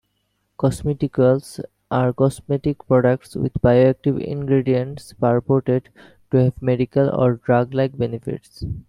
Cosmeceuticals are cosmetic products with bioactive ingredients purported to have medical or drug-like benefits.